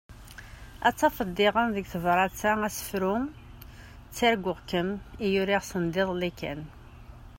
Ad tafeḍ diɣen deg tebrat-a asefru « Ttarguɣ-kem » i uriɣ sendiḍelli kan.